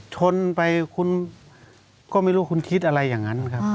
ชนไปคุณก็ไม่รู้คุณคิดอะไรอย่างนั้นครับ